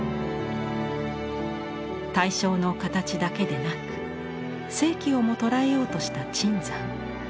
対象の形だけでなく生気をも捉えようとした椿山。